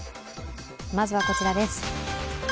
まずはこちらです。